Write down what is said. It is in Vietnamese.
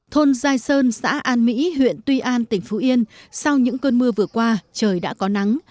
thôn giai sơn xã an mỹ huyện tuy an tỉnh phú yên sau những cơn mưa vừa qua trời đã có nắng